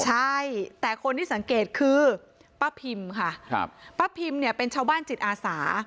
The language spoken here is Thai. ใช่แต่คนที่สังเกตคือป้าพิมค่ะครับป้าพิมเนี่ยเป็นชาวบ้านจิตอาสา